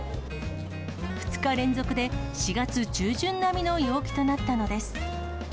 ２日連続で４月中旬並みの陽気となったのです。